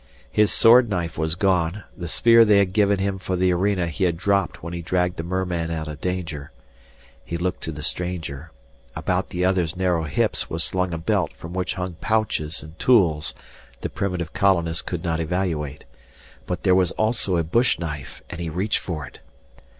His sword knife was gone, the spear they had given him for the arena he had dropped when he dragged the merman out of danger. He looked to the stranger. About the other's narrow hips was slung a belt from which hung pouches and tools the primitive colonist could not evaluate. But there was also a bush knife, and he reached for it.